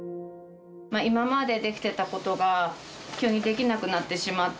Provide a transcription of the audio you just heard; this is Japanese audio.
今までできてたことが、急にできなくなってしまった。